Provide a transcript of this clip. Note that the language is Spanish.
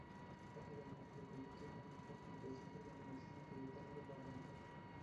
Rápidamente se convirtió en un importante centro de medicina tibetana de la Buriatia.